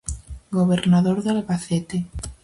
Gobernador de Albacete.